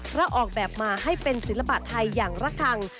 เพราะออกแบบมาให้เป็นศิลปะไทยอย่างระคัง